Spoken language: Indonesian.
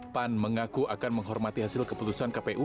pan mengaku akan menghormati hasil keputusan kpu